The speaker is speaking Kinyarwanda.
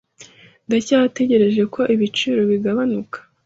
Ndacyategereje ko ibiciro bigabanuka.